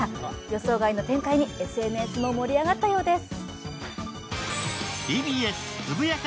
予想外の展開にＳＮＳも盛り上がったようです。